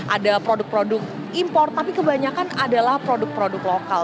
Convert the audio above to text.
ada produk produk impor tapi kebanyakan adalah produk produk lokal